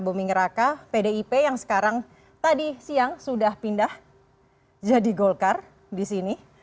buming raka pdip yang sekarang tadi siang sudah pindah jadi golkar di sini